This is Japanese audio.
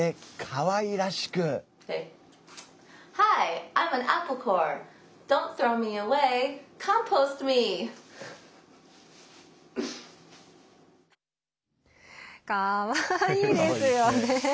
かわいいですよね。